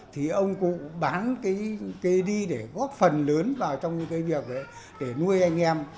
thì ông cụ bán cái đi để góp phần lớn vào trong cái việc để nuôi anh em